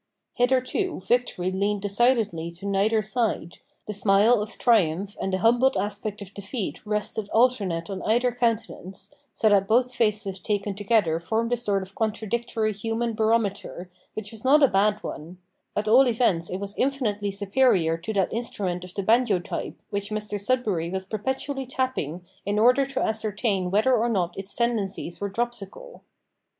Hitherto victory leaned decidedly to neither side, the smile of triumph and the humbled aspect of defeat rested alternate on either countenance, so that both faces taken together formed a sort of contradictory human barometer, which was not a bad one at all events it was infinitely superior to that instrument of the banjo type, which Mr Sudberry was perpetually tapping in order to ascertain whether or not its tendencies were dropsical.